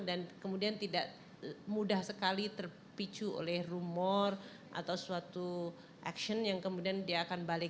dan kemudian tidak mudah sekali terpicu oleh rumor atau suatu action yang kemudian dia akan balik